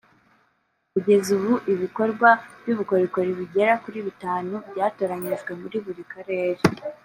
Kugeza ubu ibikorwa by’ubukorikori bigera kuri bitanu byatoranyijwe muri buri Karere